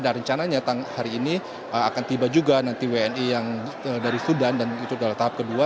dan rencananya hari ini akan tiba juga nanti wni yang dari sudan dan itu adalah tahap kedua